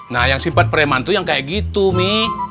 nah yang simpan preman tuh yang kayak gitu mi